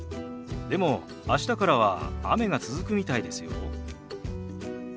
でも明日からは雨が続くみたいですよ。